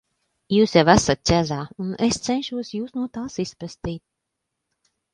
Jūs jau esat ķezā, un es cenšos Jūs no tās izpestīt.